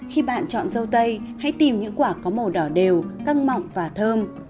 khi bạn chọn dâu tây hãy tìm những quả có màu đỏ đều căng mọng và thơm